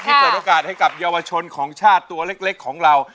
เปิดโอกาสให้กับเยาวชนของชาติตัวเล็กของเรา